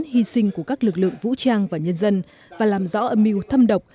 hy sinh của các lực lượng vũ trang và nhân dân và làm rõ âm mưu thâm độc